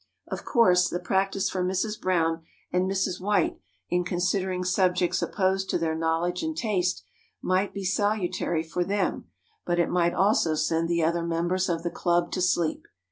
Of course, the practise for Mrs. Brown and Mrs. White, in considering subjects opposed to their knowledge and taste, might be salutary for them, but it might also send the other members of the club to sleep.